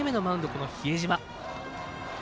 この比江島。